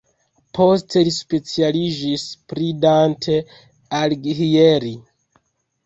Poste li specialiĝis pri Dante Alighieri.